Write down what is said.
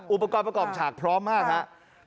อุปกรณ์ประกอบฉากพร้อมมากครับ